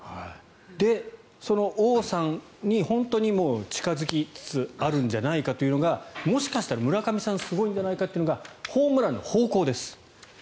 で、その王さんに本当に近付きつつあるんじゃないかというのがもしかしたら村上さんすごいんじゃないかというのがホームランの方向です。